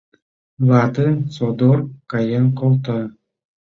Вате содор каен колта.